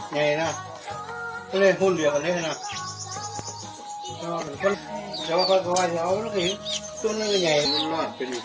ไงน่ะเนี้ยหุ้นเดี๋ยวกันเนี้ยน่ะ